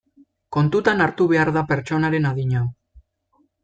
Kontutan hartu behar da pertsonaren adina.